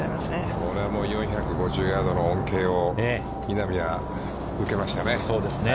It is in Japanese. これは４５０ヤードの恩恵を稲見は受けましたね。